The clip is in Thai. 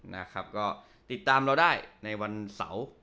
นะครับก็ติดตามเราได้ในวันเสาร์